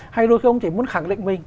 hay đôi khi ông chỉ muốn khẳng định mình